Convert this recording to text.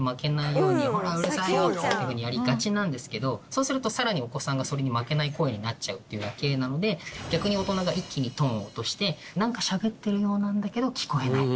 そうするとさらにお子さんがそれに負けない声になっちゃうっていうだけなので逆に大人が一気にトーンを落としてなんかしゃべってるようなんだけど聞こえない。